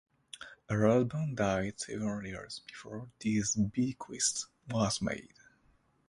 Her husband died several years before this bequest was made.